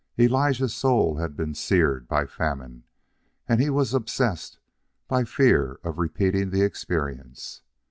Elijah's soul had been seared by famine, and he was obsessed by fear of repeating the experience.